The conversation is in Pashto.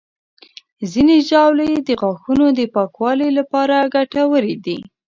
ځینې ژاولې د غاښونو د پاکوالي لپاره ګټورې دي.